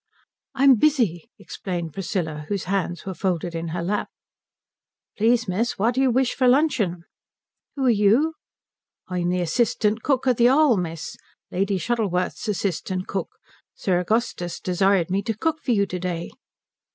"I'm busy," explained Priscilla, whose hands were folded in her lap. "Please miss, what do you wish for luncheon?" "Who are you?" "I'm the assistant cook at the 'All, miss. Lady Shuttleworth's assistant cook. Sir Augustus desired me to cook for you to day."